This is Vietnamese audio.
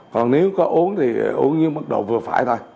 còn nếu có uống thì uống như mức độ vừa phải thôi